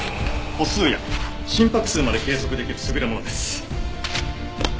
歩数や心拍数まで計測できる優れものです。